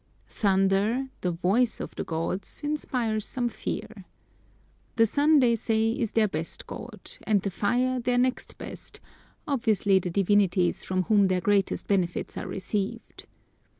Thunder, "the voice of the gods," inspires some fear. The sun, they say, is their best god, and the fire their next best, obviously the divinities from whom their greatest benefits are received.